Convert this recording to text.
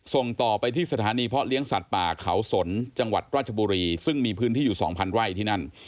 ส่งต่อไปที่สถานีเพาะเลี้ยงสัตว์ป่าเขาสนจังหวัดราชบุรีซึ่งมีพื้นที่อยู่สองพันไร่ที่นั่น